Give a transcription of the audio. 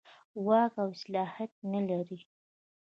واک او صلاحیت نه لري.